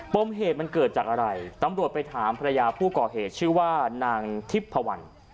มเหตุมันเกิดจากอะไรตำรวจไปถามภรรยาผู้ก่อเหตุชื่อว่านางทิพพวัน